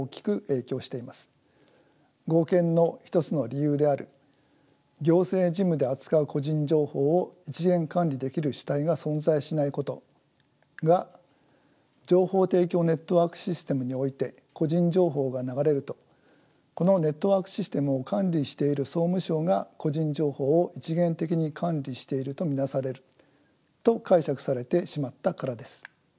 合憲の一つの理由である行政事務で扱う個人情報を一元管理できる主体が存在しないことが情報提供ネットワークシステムにおいて個人情報が流れるとこのネットワークシステムを管理している総務省が個人情報を一元的に管理していると見なされると解釈されてしまったからです。